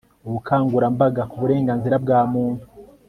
ubukangurambaga ku burenganzira bwa muntu